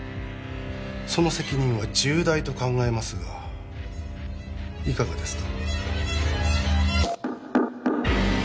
その責任は重大と考えますがいかがですか？